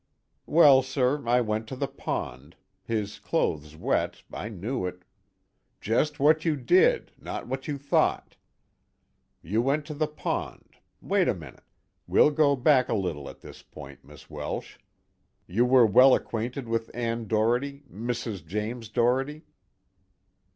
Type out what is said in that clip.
"Well, sir, I went to the pond. His clothes wet, I knew it " "Just what you did, not what you thought. You went to the pond wait a minute. We'll go back a little at this point, Miss Welsh. You were well acquainted with Ann Doherty Mrs. James Doherty?"